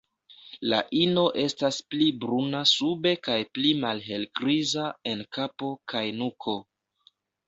La ino estas pli bruna sube kaj pli malhelgriza en kapo kaj nuko.